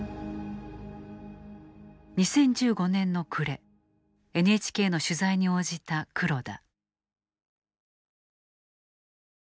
２０１５年の暮れＮＨＫの取材に応じた黒田。